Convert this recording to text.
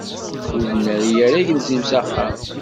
Ur d-nerri ara agelzim s axxam.